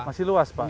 masih luas pak